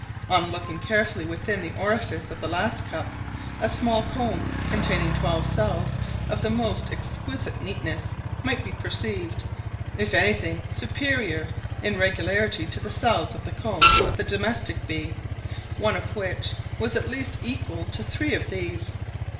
On looking carefully within the orifice of the last cup, a small comb, containing twelve cells, of the most exquisite neatness, might be perceived, if anything, superior in regularity to the cells in the comb of the domestic bee, one of which was at least equal to three of these.